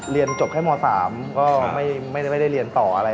เรียนจบแค่ม๓ก็ไม่ได้เรียนต่ออะไร